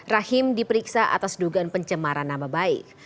rahim diperiksa atas dugaan pencemaran nama baik